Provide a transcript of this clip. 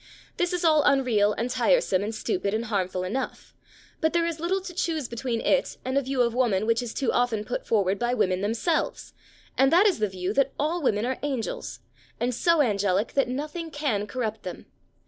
This is all unreal and tiresome and stupid and harmful enough, but there is little to choose between it and a view of woman which is too often put forward by women themselves, and that is the view that all women are angels, and so angelic that nothing can corrupt them.